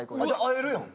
会えるやん。